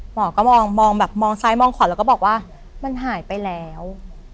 หมอก็มองซ้ายมองขวดแล้วก็บอกว่ามันหายไปแล้ว